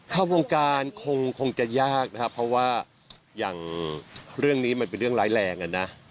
เข้าวงการคงจะยากนะครับเพราะว่าอย่างเรื่องนี้มันเป็นเรื่องร้ายแรงอ่ะนะ